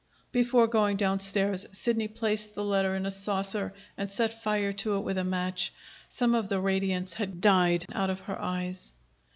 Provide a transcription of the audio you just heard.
Before going downstairs, Sidney placed the letter in a saucer and set fire to it with a match. Some of the radiance had died out of her eyes.